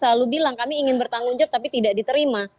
selalu bilang kami ingin bertanggung jawab tapi tidak diterima